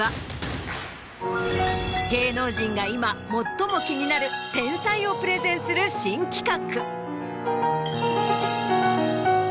芸能人が今最も気になる天才をプレゼンする新企画。